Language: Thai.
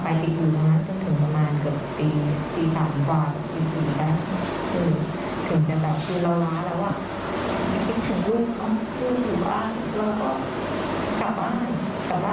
ตีสุดแล้วถึงจะแบบคือเราล้าแล้วว่า